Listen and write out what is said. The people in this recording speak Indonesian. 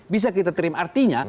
bisa kita terima artinya